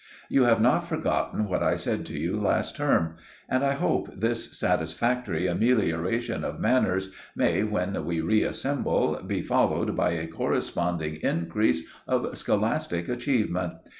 You have not forgotten what I said to you last term, and I hope this satisfactory amelioration of manners may, when we reassemble, be followed by a corresponding increase of scholastic achievement.